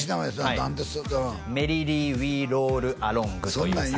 何で「メリリー・ウィー・ロール・アロング」という作品ですね